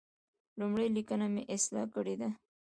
لومړۍ لیکنه مې اصلاح کړې ده.